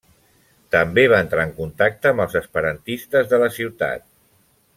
També va entrar en contacte amb els esperantistes de la ciutat.